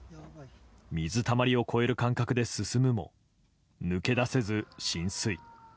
水たまりを越える感覚で進むも抜け出せず、浸水。